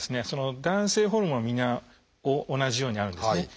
男性ホルモンはみんな同じようにあるんですね。